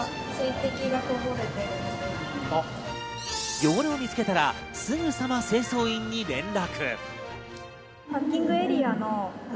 汚れを見つけたらすぐさま清掃員に連絡。